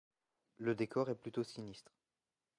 Le décor est plutôt sinistre.